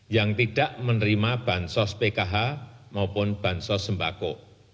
yang tidak menerima bansos pkh maupun bansos sembako